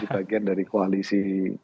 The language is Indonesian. bagian dari koalisi